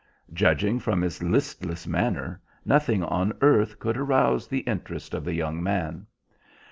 Judging from his listless manner nothing on earth could arouse the interest of the young man.